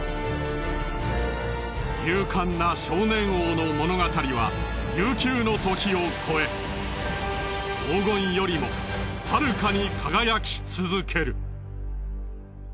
勇敢な少年王の物語は悠久のときを超え黄金よりもはるかに輝き続ける。